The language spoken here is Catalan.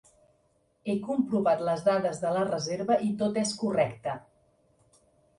He comprovat les dades de la reserva i tot és correcte.